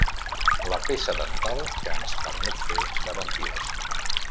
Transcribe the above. La peça dental que ens permet fer de vampirs.